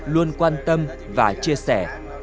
luôn quan tâm và chia sẻ